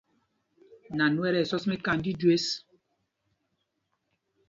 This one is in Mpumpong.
Nanu ɛ tí ɛsɔs míkand tí jüés.